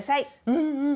うんうん！